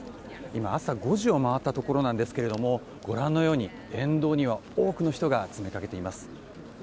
今朝５時を回ったところなんですがご覧のように沿道には多くの人が詰めかけています。